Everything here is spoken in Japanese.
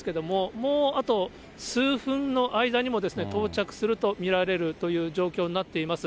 もうあと数分の間にも到着すると見られるという状況になっています。